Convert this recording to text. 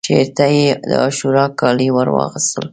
شعر ته یې د عاشورا کالي ورواغوستل